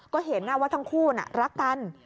ก็เห็นงานว่าทั้งคู่น่ะรักตัน